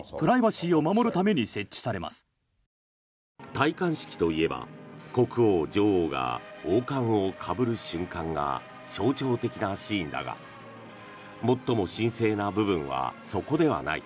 戴冠式といえば国王、女王が王冠をかぶる瞬間が象徴的なシーンだが最も神聖な部分はそこではない。